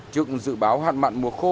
trước dự báo hạn mặn mùa khô